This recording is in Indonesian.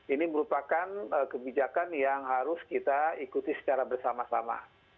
ini merupakan kebijakan yang harus kita ikuti secara bersama sama